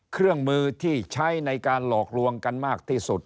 เครื่องมือที่ใช้ในการหลอกลวงกันมากที่สุด